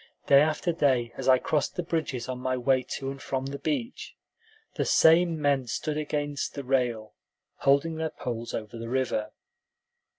Day after day, as I crossed the bridges on my way to and from the beach, the same men stood against the rail, holding their poles over the river.